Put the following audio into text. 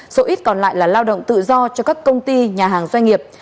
số ít còn lại là lao động tự do cho các công ty nhà hàng doanh nghiệp